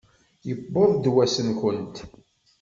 Yewweḍ-d wass-nkent!